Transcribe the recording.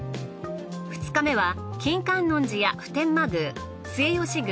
２日目は金武観音寺や普天満宮末吉宮